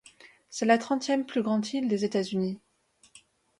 C'est la trentième plus grande île des États-Unis.